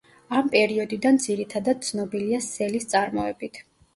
ამ პერიოდიდან ძირითადად ცნობილია სელის წარმოებით.